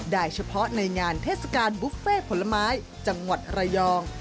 เฉพาะในงานเทศกาลบุฟเฟ่ผลไม้จังหวัดระยอง